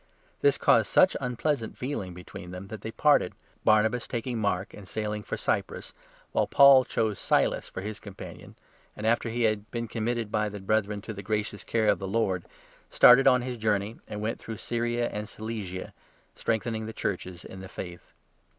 This caused such 39 unpleasant feeling between them that they parted, Barnabas taking Mark and sailing for Cyprus, while Paul chose Silas 40 for his companion and, after he had been committed by the Brethren to the gracious care of the Lord, started on his journey and went through Syria and Cilicia, strengthening the Churches in the Faith.